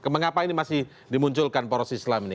mengapa ini masih dimunculkan poros islam ini